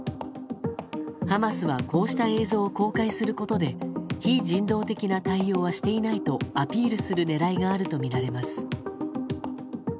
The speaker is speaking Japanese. ハマスはこうした映像を公開することで非人道的な対応はしていないとアピールする狙いがあるとみられます。